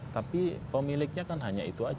tapi pemiliknya kan hanya itu aja